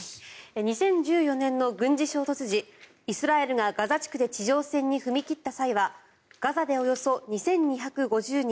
２０１４年の軍事衝突時イスラエルがガザ地区で地上戦に踏み切った際はガザでおよそ２２５０人